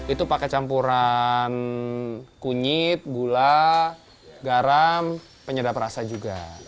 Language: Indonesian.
itu pakai campuran kunyit gula garam penyedap rasa juga